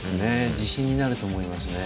自信になると思います。